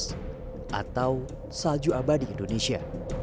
tentang puncak es atau salju abadi indonesia